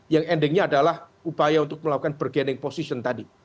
yang endingnya adalah upaya untuk melakukan bergening position tadi